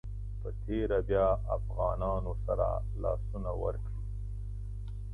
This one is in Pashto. په تېره بیا افغانانو سره لاسونه ورکړي.